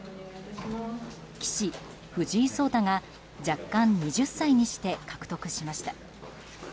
棋士・藤井聡太が弱冠２０歳にして獲得しました。